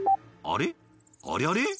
あれあれ？